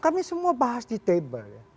kami semua bahas di table ya